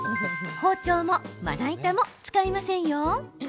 包丁もまな板も使いませんよ。